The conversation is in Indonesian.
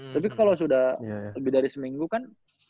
tapi kalau sudah lebih dari seminggu kan